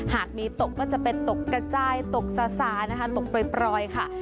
หากมีตกก็จะเป็นตกกระจายตกสานะคะตกปล่อยค่ะ